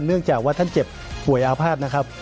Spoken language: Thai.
เนื่องจากว่าท่านเจ็บป่วยอาภาษณ์นะครับ